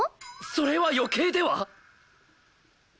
それは余計では？